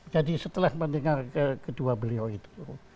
jadi setelah mendengar kedua beliau itu